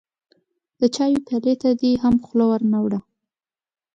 د چايو پيالې ته دې هم خوله ور نه وړه.